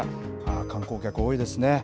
観光客、多いですね。